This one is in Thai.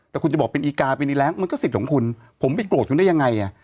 แต่คุณจะบอกเป็นอีกาเป็นอีกแรงมันก็สิทธิ์ของคุณผมไปโกรธคุณได้ยังไง